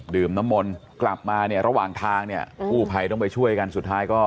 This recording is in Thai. น้ำมนต์กลับมาเนี่ยระหว่างทางเนี่ยกู้ภัยต้องไปช่วยกันสุดท้ายก็